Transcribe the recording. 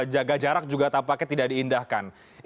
jaga jarak juga tak paket tidak diindahkan